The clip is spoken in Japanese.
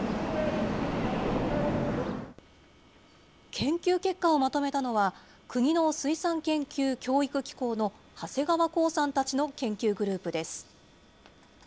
研究結果をまとめたのは、国の水産研究・教育機構の長谷川功さんたちの研究グループです。